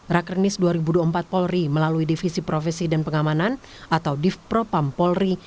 rakernis dua ribu dua puluh empat polri melalui divisi profesi dan pengamanan atau div propam polri